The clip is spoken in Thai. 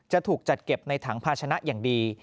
จะถูกจัดเก็บในถังภาชนะอย่างดี